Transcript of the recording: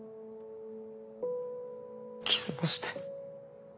キスもして。